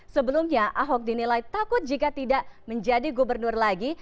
sebelumnya ahok dinilai takut jika tidak menjadi gubernur lagi